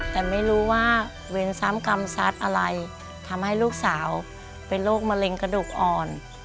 แต่ไม่รู้ว่าเวรซ้ำกรรมซัดอะไรทำให้ลูกสาวเป็นโรคมะเร็งกระดูกอ่อน